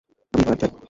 আমি এবার যাই।